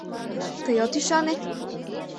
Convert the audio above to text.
Тый от ӱшане?